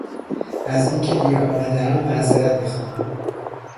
از اینکه دیر آمدهام معذرت میخواهم.